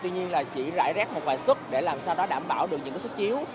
tuy nhiên là chỉ rải rác một vài xuất để làm sao đó đảm bảo được những xuất chiếu